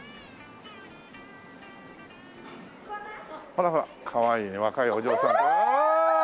ほらほらかわいいね若いお嬢さんが。